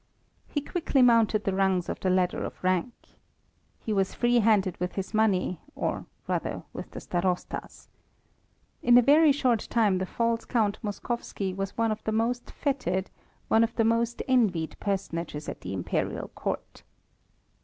He quickly mounted the rungs of the ladder of rank. He was free handed with his money or rather with the Starosta's. In a very short time the false Count Moskowski was one of the most fêted, one of the most envied personages at the Imperial Court.